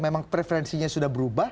yang preferensinya sudah berubah